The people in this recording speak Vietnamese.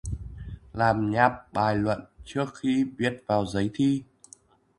Làm nháp bài luận trước khi viết vào giấy thi